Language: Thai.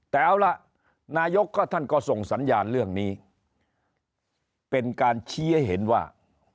แต่เอาล่ะนายกก็ท่านก็ส่งสัญญาณเรื่องนี้เป็นการชี้ให้เห็นว่า